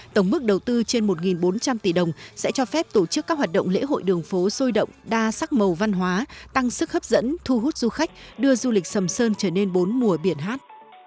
tổng mức đầu tư trên một bốn trăm linh tỷ đồng sẽ cho phép tổ chức các hoạt động lễ hội đường phố sôi động đa sắc màu văn hóa tăng sức hấp dẫn thu hút du khách đưa du lịch sầm sơn trở nên bốn mùa biển hát